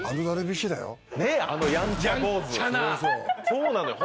そうなのよ